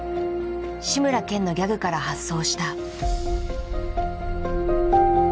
志村けんのギャグから発想した。